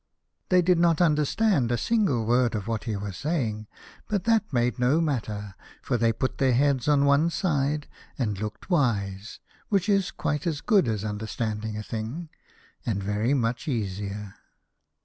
They did not understand a single word of what he was saying, but that made no matter, for they put their heads on one side, and looked wise, which is quite as good as understanding a thing, and very much easier.